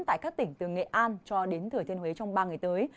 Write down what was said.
tại các tỉnh từ nghệ an cho đến thừa thiên huế trong ba ngày tới